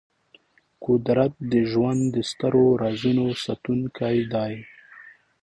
قدرت د ژوند د سترو رازونو ساتونکی دی.